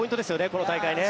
この大会ね。